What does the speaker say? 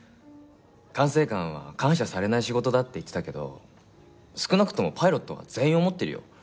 管制官は感謝されない仕事だって言ってたけど少なくともパイロットは全員思ってるよ。